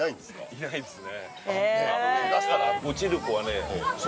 いないですね